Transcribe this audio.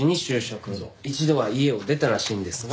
一度は家を出たらしいんですが。